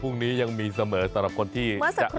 พรุ่งนี้ยังมีเสมอตัวละคนที่กิน